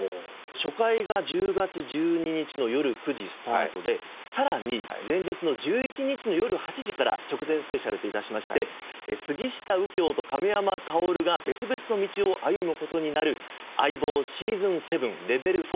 初回が１０月１２日のよる９時スタートでさらに前日の１１日のよる８時から直前スペシャルと致しまして杉下右京と亀山薫が別々の道を歩む事になる『相棒ｓｅａｓｏｎ７』「レベル４薫最後の事件」